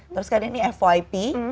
terus kali ini fyp